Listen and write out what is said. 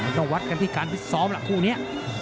ไม่ต้องวัตรกันที่กราบที่สองกันนี้